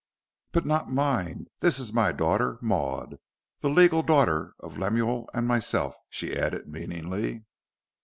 "But not mine. This is my daughter, Maud the legal daughter of Lemuel and myself," she added meaningly.